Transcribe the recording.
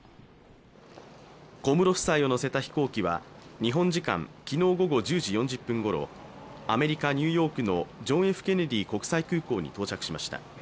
小室夫妻を乗せた飛行機は、日本時間昨日午後１０時４０分頃アメリカ・ニューヨークのジョン・Ｆ・ケネディ国際空港に到着しました。